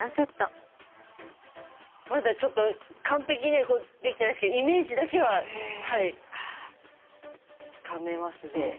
まだちょっと完璧にはできてないですけどイメージだけはつかめますね。